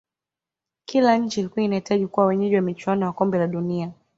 Kila nchi ilikuwa inahitaji kuwa wenyeji wa michuano ya kombe la dunia